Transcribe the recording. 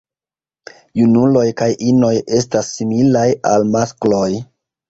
Junuloj kaj inoj estas similaj al maskloj.